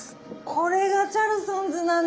これがチャルソンズなんですね。